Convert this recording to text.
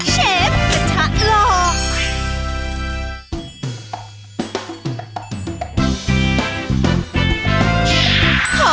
เชฟกระทะหล่อ